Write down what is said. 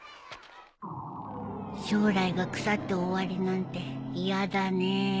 将来が腐って終わりなんて嫌だねえ。